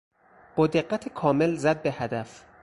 با دقت کامل زد به هدف.